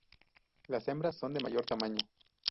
Las hembras son de mayor tamaño.